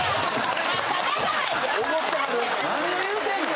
・何を言うてんの！